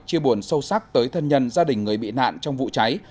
chia buồn sâu sắc tới thân nhân gia đình người bị nạn trong vụ cháy